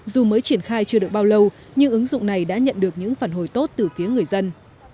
dù mới triển khai chưa được bao lâu nhưng ứng dụng này đã nhận được những phản hồi tốt từ phía người dân